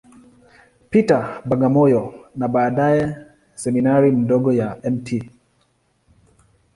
Peter, Bagamoyo, na baadaye Seminari ndogo ya Mt.